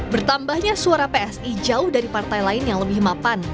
bertambahnya suara psi jauh dari partai lain yang lebih mapan